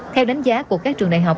theo đánh giá của các trường đại học